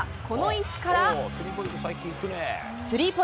この位置から。